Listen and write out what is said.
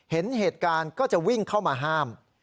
เห็นเหตุการณ์ก็จะวิ่งเข้ามาห้าม